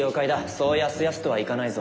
そうやすやすとはいかないぞ。